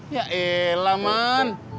ya elah man